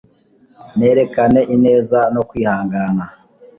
Nerekane ineza no kwihangana